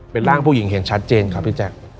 เป็นร่างผู้หญิงเห็นชัดเจนครับพี่แจ๊ค